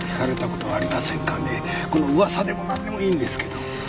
噂でも何でもいいんですけど。